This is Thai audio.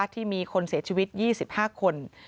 ที่มีคนเสียชีวิต๒๕คน